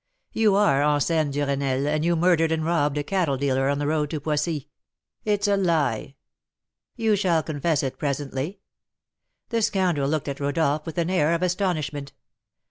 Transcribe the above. "You are Anselm Duresnel, and you murdered and robbed a cattle dealer on the road to Poissy " "It's a lie!" "You shall confess it presently." The scoundrel looked at Rodolph with an air of astonishment.